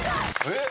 えっ？